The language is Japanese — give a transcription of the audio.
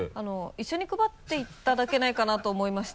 一緒に配っていただけないかなと思いまして。